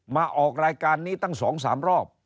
มาออกรายการนี้ตั้ง๒๓รอบ